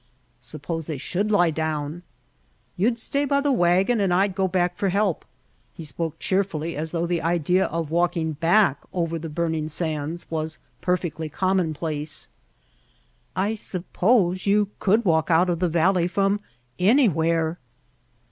"Suppose they should lie down?" "You'd stay by the wagon and I'd go back for help." He spoke cheerfully as though the idea of walking back over the burning sands was perfectly commonplace. "I suppose you could walk out of the valley from anywhere?"